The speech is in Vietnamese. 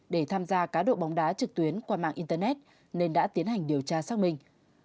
để tham gia cá độ bóng đá trực tuyến qua mạng internet nên đã tiến hành điều tra xác minh